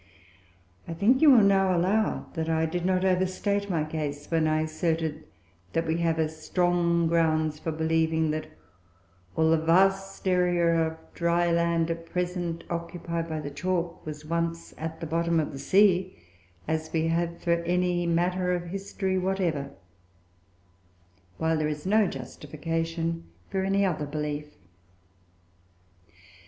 I think you will now allow that I did not overstate my case when I asserted that we have as strong grounds for believing that all the vast area of dry land, at present occupied by the chalk, was once at the bottom of the sea, as we have for any matter of history whatever; while there is no justification for any other belief.